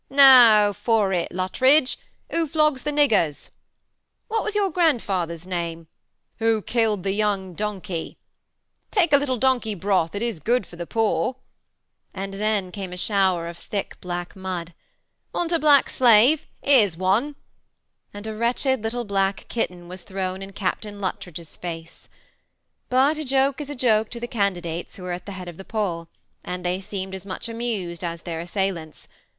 "Now for it, Luttridge; who flogs the niggers?" "What was your grandfather's 270 THE SEMI ATTACHED COUPLE. name ?"« Who killed the young donkey ?"« Take a little donkey broth? it is good for the poor:" and then came a shower of thick black mod. ^ Want a black slave ? here's one ;" and a wretched little black kitten was thrown in Captain Luttridge's face. But a joke is a joke to the candidates who are at the bead of the poll; and they seemed as much amused as their assailants.